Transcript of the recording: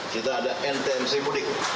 kita ada ntmcmudik